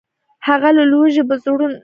هغه له لوږي په زړو نتلي